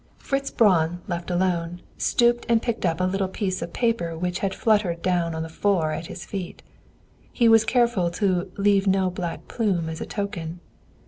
Fritz Braun, left alone, stooped and picked up a little piece of paper which had fluttered down on the floor at his feet. He was careful to "leave no black plume as a token."